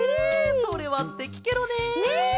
それはすてきケロね！ね！